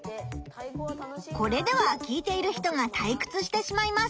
これでは聞いている人がたいくつしてしまいます。